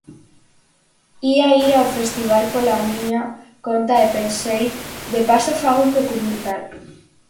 "Ía ir ao festival pola miña conta e pensei, de paso fago un documental".